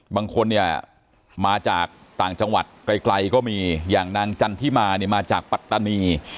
บางคนเนี่ยมาจากต่างจังหวัดไกลก็มีอย่างนางจันทิมาเนี่ยมาจากปัตตานี